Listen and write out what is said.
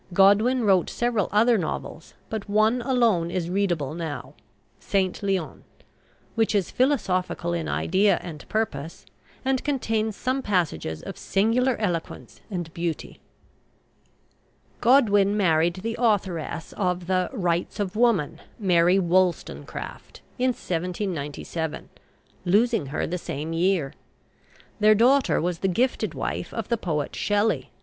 Godwin wrote several other novels, but one alone is readable now, "St. Leon," which is philosophical in idea and purpose, and contains some passages of singular eloquence and beauty. Godwin married the authoress of the "Rights of Woman," Mary Wollstonecraft, in 1797, losing her the same year. Their daughter was the gifted wife of the poet Shelley.